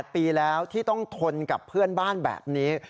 ปีแล้วที่ต้องทนกับเพื่อนบ้านแบบนี้